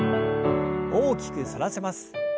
大きく反らせます。